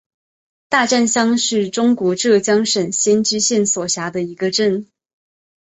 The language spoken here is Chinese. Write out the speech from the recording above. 大战乡是中国浙江省仙居县所辖的一个镇。